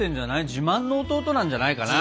自慢の弟なんじゃないかな？